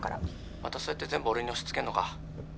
またそうやって全部俺に押し付けんのか。